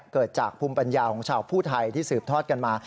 เกิดจากภูมิปัญญาของชาวผู้ไทยที่สืบทอดกันมา